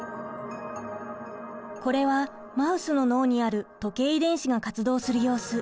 これはマウスの脳にある時計遺伝子が活動する様子。